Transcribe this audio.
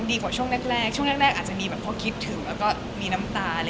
ดีกว่าช่วงแรกช่วงแรกอาจจะมีแบบเพราะคิดถึงแล้วก็มีน้ำตา